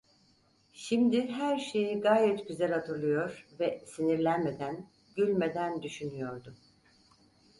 Şimdi her şeyi gayet güzel hatırlıyor ve sinirlenmeden, gülmeden düşünüyordu.